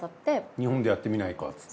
日本でやってみないかっつって？